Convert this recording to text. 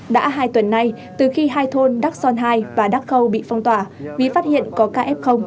đã hai tuần nay từ khi hai thôn đắc son hai và đắc khâu bị phong tỏa quý phát hiện có caf